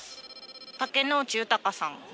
竹野内豊さん。